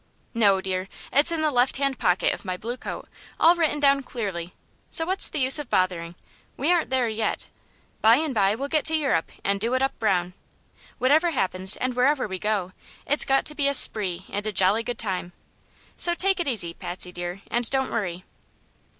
"No, dear; it's in the left hand pocket of my blue coat, all written down clearly. So what's the use of bothering? We aren't there yet. By and bye we'll get to Eu rope an' do it up brown. Whatever happens, and wherever we go, it's got to be a spree and a jolly good time; so take it easy, Patsy dear, and don't worry."